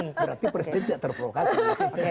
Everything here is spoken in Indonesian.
berarti presiden tidak terprovokasi